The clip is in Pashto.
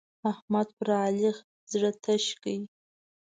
احمد پر علي زړه تش کړ.